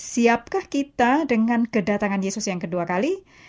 siapkah kita dengan kedatangan yesus yang kedua kali